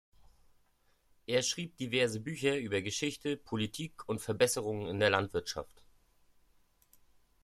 Er schrieb diverse Bücher über Geschichte, Politik und Verbesserungen in der Landwirtschaft.